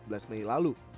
tim liputan cnn indonesia